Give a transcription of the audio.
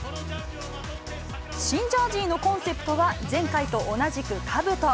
新ジャージのコンセプトは、前回と同じくかぶと。